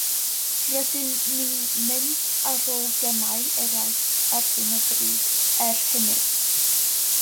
Rydyn ni'n mynd ar ôl gemau eraill ar hyn o bryd, er hynny.